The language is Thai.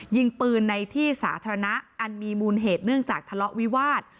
ยิงปืนในที่สาธารณะอันมีมูลเหตุเนื่องจากทะเลาะวิวาส